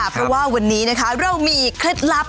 เพราะว่าวันนี้เรามีเคล็ดลับ